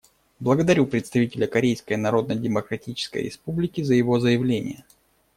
Благодарю представителя Корейской Народно-Демократической Республики за его заявление.